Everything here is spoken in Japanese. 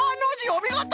おみごと！